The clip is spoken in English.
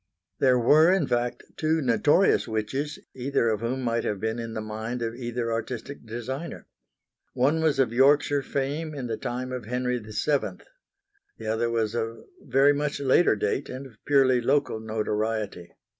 There were in fact two notorious witches, either of whom might have been in the mind of either artistic designer. One was of Yorkshire fame in the time of Henry VII. The other was of very much later date and of purely local notoriety.